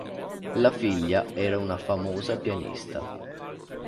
La figlia era una famosa pianista.